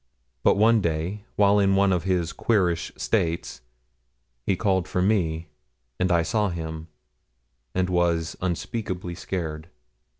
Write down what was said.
But one day, while in one of his 'queerish' states, he called for me, and I saw him, and was unspeakably scared.